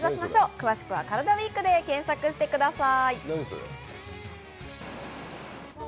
詳しくはカラダＷＥＥＫで検索してください。